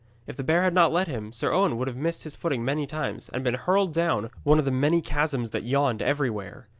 If the bear had not led him, Sir Owen would have missed his footing many times, and been hurled down one of the many chasms that yawned everywhere.